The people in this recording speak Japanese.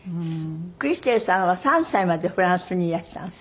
クリステルさんは３歳までフランスにいらしたの？